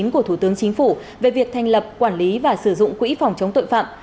của thủ tướng chính phủ về việc thành lập quản lý và sử dụng quỹ phòng chống tội phạm